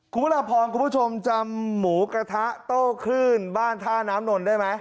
คุณพระพรคุณผู้ชมจำหมูกระทะโต้คลื่นบ้านท่าน้ำนนท์ได้ไหม